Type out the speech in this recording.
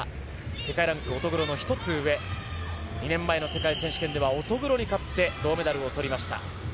世界ランキング、乙黒の１つ上２年前の世界選手権では乙黒に勝って銅メダルを取りました。